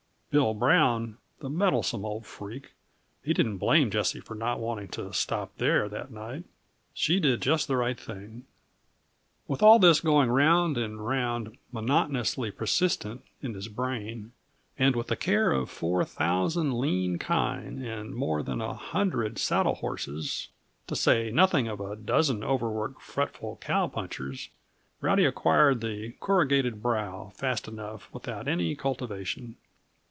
Bill Brown, the meddlesome old freak! he didn't blame Jessie for not wanting to stop there that night. She did just the right thing. With all this going round and round, monotonously persistent in his brain, and with the care of four thousand lean kine and more than a hundred saddle horses to say nothing of a dozen overworked, fretful cow punchers Rowdy acquired the "corrugated brow" fast enough without any cultivation.